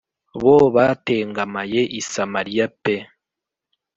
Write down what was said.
bo batengamaye i Samariya pee